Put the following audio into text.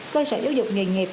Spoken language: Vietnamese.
cơ sở giáo dục nghề nghiệp